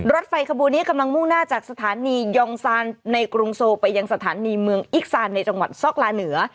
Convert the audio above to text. รถไฟขบวนนี้กำลังมุ่งหน้าจากสถานียองซานในกรุงโซไปยังสถานีเมืองอิกซานในจังหวัดซอกลาเหนือ